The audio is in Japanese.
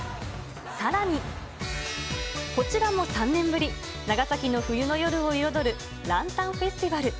さらに、こちらも３年ぶり、長崎の冬の夜を彩るランタンフェスティバル。